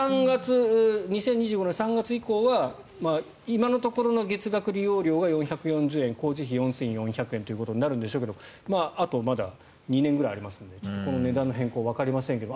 ２０２５年の３月以降は今のところの月額利用料が４４０円工事費４４００円ということになるんでしょうけどあとまだ２年ぐらいありますのでこの値段の変更はわかりませんけど。